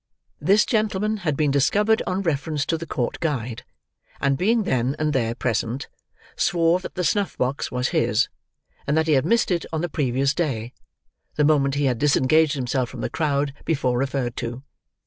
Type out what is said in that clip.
This gentleman had been discovered on reference to the Court Guide, and being then and there present, swore that the snuff box was his, and that he had missed it on the previous day, the moment he had disengaged himself from the crowd before referred to.